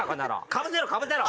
かぶせろかぶせろ。